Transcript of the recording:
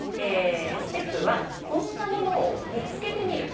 「ステップ１こんなものを見つけてみる」。